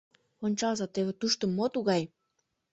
— Ончалза, теве тушто мо тугай?